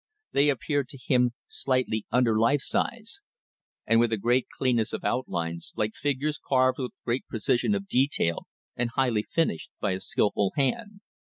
They appeared to him slightly under life size, and with a great cleanness of outlines, like figures carved with great precision of detail and highly finished by a skilful hand.